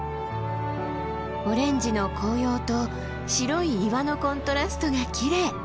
オレンジの紅葉と白い岩のコントラストがきれい。